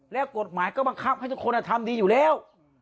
แล้วกฎหมายก็บังคับให้ทุกคนทำดีอยู่แล้ว